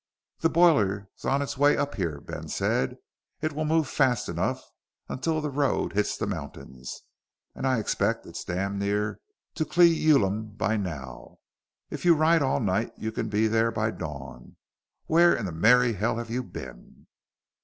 "The boiler's on it's way up here!" Ben said. "It will move fast enough until the road hits the mountains, and I expect it's damn near to Cle Elum by now. If you ride all night, you can be there by dawn. Where in the merry hell have you been?"